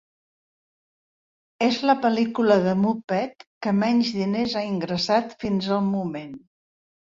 És la pel·lícula de Muppet que menys diners ha ingressat fins al moment.